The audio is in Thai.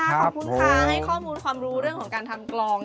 ขอบคุณค่ะให้ข้อมูลความรู้เรื่องของการทำกลอง